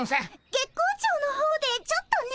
月光町の方でちょっとね。